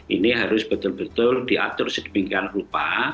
ini harus betul betul diatur sedemikian rupa